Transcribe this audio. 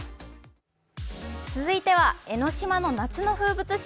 続いては江の島の夏の風物詩。